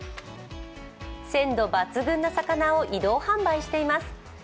鮮度抜群な魚を移動販売しています。